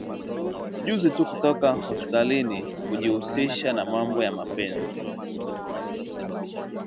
juzi tu kutoka hospitali kujihusisha na mambo ya mapenzi